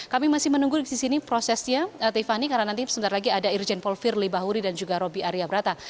kami masih menunggu di sini prosesnya tiffany karena nanti sebentar lagi ada irjen polvir le bahuri dan juga robby aryabrata